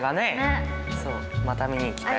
そうまた見に行きたい。